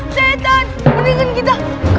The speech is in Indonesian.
setan mendingan kita